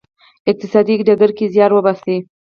اقتصادي ډګر کې زیار وباسی.